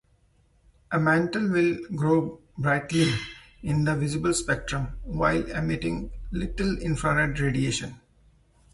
A mantle will glow brightly in the visible spectrum while emitting little infrared radiation.